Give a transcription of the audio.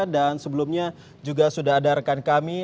dan sebelumnya juga sudah ada rekan kami